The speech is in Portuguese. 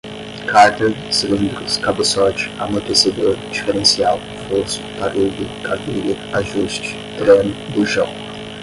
cárter, cilindros, cabeçote, amortecedor, diferencial, fosso, tarugo, cavilha, ajuste, dreno, bujão